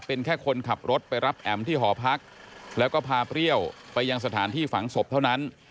เป็นแค่คนขับรถไปรับแอ๋มที่หอพักแล้วก็พาเปรี้ยวไปยังสถานที่ฝังศพเท่านั้น